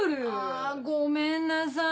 あごめんなさい。